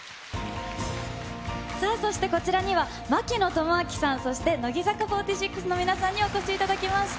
さあそして、こちらには槙野智章さん、そして乃木坂４６の皆さんにお越しいただきました。